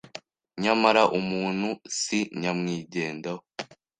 Nyamara umuntu si nyamwigendaho,